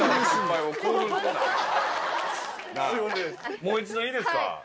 もう一度いいですか。